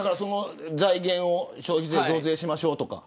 財源を消費税増税しましょうとか。